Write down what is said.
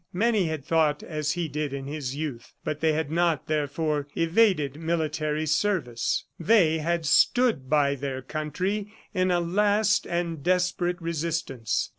Many had thought as he did in his youth, but they had not, therefore, evaded military service. They had stood by their country in a last and desperate resistance.